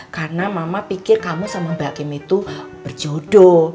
karena mama pikir kamu sama mbak kim itu berjodoh